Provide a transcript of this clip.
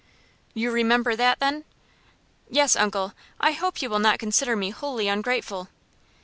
"You remember that, then?" "Yes, uncle. I hope you will not consider me wholly ungrateful."